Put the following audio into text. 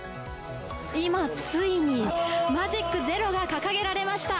今、ついにマジック０が掲げられました。